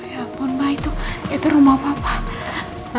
ya ampun mba itu itu rumah papa